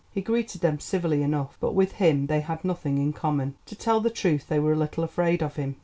He greeted them civilly enough, but with him they had nothing in common. To tell the truth they were a little afraid of him.